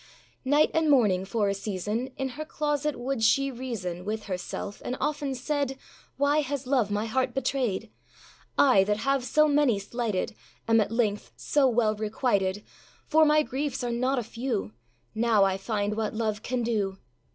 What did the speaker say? Night and morning, for a season, In her closet would she reason With herself, and often said, âWhy has love my heart betrayed? âI, that have so many slighted, Am at length so well requited; For my griefs are not a few! Now I find what love can do.